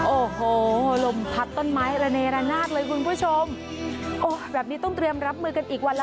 โอ้โหลมพัดต้นไม้ระเนระนาดเลยคุณผู้ชมโอ้ยแบบนี้ต้องเตรียมรับมือกันอีกวันละ